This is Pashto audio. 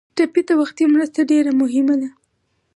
ټپي ته وختي مرسته ډېره مهمه ده.